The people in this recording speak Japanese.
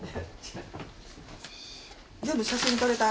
全部写真撮れた？